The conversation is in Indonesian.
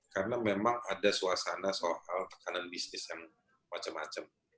karena memang ada suasana soal tekanan bisnis yang macam macam